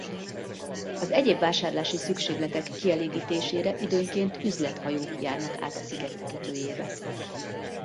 Az egyéb vásárlási szükségletek kielégítésére időnként üzlet-hajók járnak át a sziget kikötőjébe.